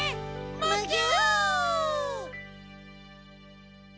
むぎゅ！